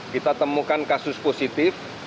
kita temukan kasus positif